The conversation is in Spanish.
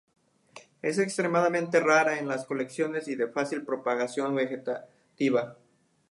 Es extremadamente rara en las colecciones y de fácil propagación vegetativa.